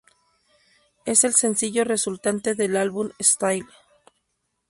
Es el sencillo resultante del álbum "Stille".